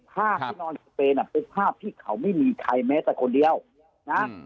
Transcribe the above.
ภาพที่นอนสเปนอ่ะเป็นภาพที่เขาไม่มีใครแม้แต่คนเดียวนะ